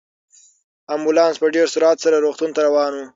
امبولانس په ډېر سرعت سره روغتون ته روان و.